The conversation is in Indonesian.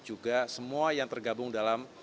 juga semua yang tergabung dalam